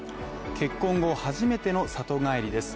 結婚後、初めての里帰りです。